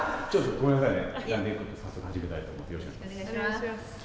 ごめんなさいね。